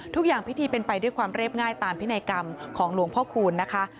ทุกอย่างพิธีเป็นไปด้วยความเรียบง่ายตามพินัยกรรมของหลวงพ่อคูณนะคะ